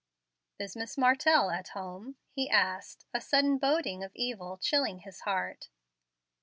"Is Miss Martell at home?" he asked, a sudden boding of evil chilling his heart.